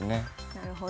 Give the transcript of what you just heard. なるほど。